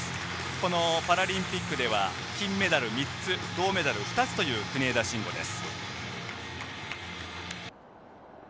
このパラリンピックでは金メダル３つ銅メダル２つという国枝慎吾です。